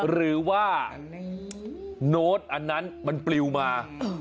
หรือว่าโน้ตอันนั้นมันปลิวมา